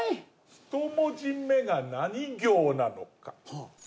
１文字目が何行なのか？